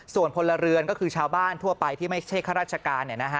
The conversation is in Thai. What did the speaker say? ส่วนพลเรือนก็คือชาวบ้านทั่วไปที่ไม่ใช่ข้าราชการ